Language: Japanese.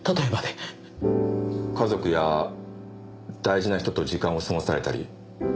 家族や大事な人と時間を過ごされたり。